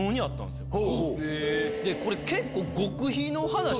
これ結構。